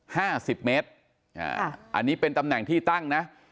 ห้าสิบเมตรอ่าอันนี้เป็นตำแหน่งที่ตั้งนะ